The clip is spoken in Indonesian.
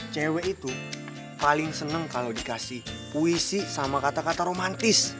cewek itu paling seneng kalau dikasih puisi sama kata kata romantis